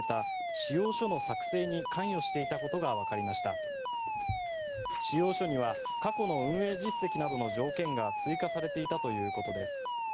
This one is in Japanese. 仕様書には過去の運営実績などの条件が追加されていたということです。